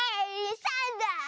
３だ！